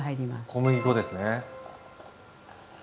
小麦粉ですね。